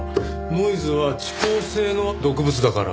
ノイズは遅効性の毒物だから。